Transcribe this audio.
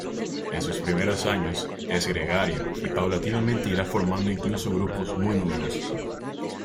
En sus primeros años es gregario, y paulatinamente irá formando incluso grupos muy numerosos.